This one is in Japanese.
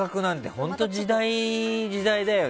本当に時代、時代だよね。